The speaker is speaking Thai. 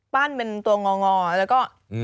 เป็นตัวงอแล้วก็